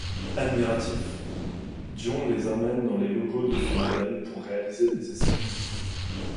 Admiratif, Dion les amène dans les locaux de son label pour réaliser des essais.